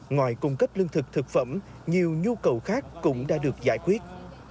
ngoài cung cấp lương thực thực phẩm nhiều nhu cầu khác cũng đã được giải quyết